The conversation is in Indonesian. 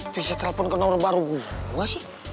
bisa telepon ke nomor baru gua sih